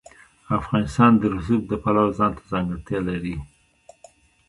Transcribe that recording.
افغانستان د رسوب د پلوه ځانته ځانګړتیا لري.